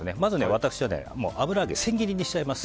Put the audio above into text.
私は油揚げを千切りにしちゃいます。